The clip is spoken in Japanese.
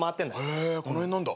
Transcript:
へぇこの辺なんだ。